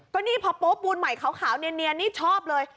ก็นี่พอโป๊ปูนใหม่ขาวเนียนนี่ชอบเลย